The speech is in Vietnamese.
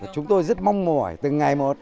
chúng tôi rất mong mỏi từ ngày một